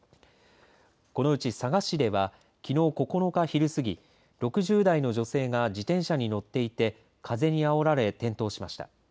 このうち佐賀市ではきのう９日昼過ぎ６０代の女性が自転車に乗っていて風にあおられ転倒しました。